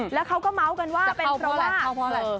แล้วเขาก็เมาส์กันว่าเป็นเพราะว่าจะเข้าเพราะอะไร